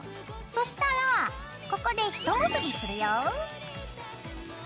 そしたらここでひと結びするよ。